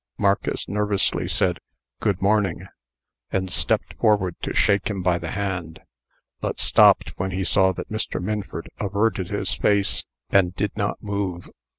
Marcus nervously said, "Good morning," and stepped forward to shake him by the hand, but stopped when he saw that Mr. Minford averted his face, and did not move.